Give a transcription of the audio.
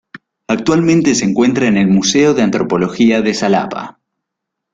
Actualmente se encuentra en el Museo de Antropología de Xalapa.